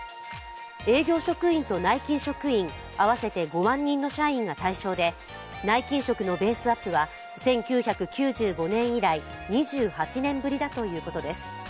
営業職員と内勤職員合わせて５万人の社員が対象で、内勤職のベースアップは１９９５年以来、２８年ぶりだということです。